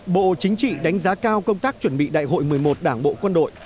bộ chính trị đánh giá cao công tác chuẩn bị đại hội một mươi một đảng bộ quân đội